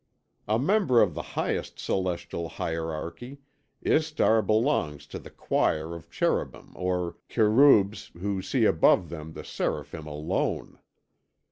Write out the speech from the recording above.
A member of the highest celestial hierarchy, Istar belonged to the choir of Cherubim or Kerûbs who see above them the Seraphim alone.